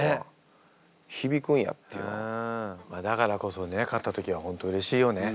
だからこそね勝った時は本当うれしいよね。